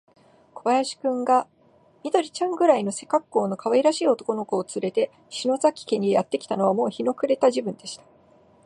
小林君が、緑ちゃんくらいの背かっこうのかわいらしい男の子をつれて、篠崎家へやってきたのは、もう日の暮れがた時分でした。